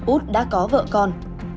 úc đã có vợ con